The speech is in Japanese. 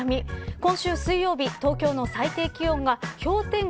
今週水曜日、東京の最低気温が氷点下